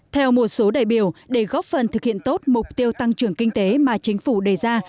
theo một số đại biểu để góp phần thực hiện tốt mục tiêu tăng trưởng kinh tế mà chính phủ đề ra